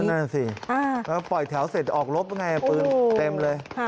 นั่นสิแล้วปล่อยแถวเสร็จออกรบยังไงปืนเต็มเลย